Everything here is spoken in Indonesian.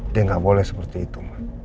dia nggak boleh seperti itu